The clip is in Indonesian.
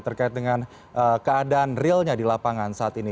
terkait dengan keadaan realnya di lapangan saat ini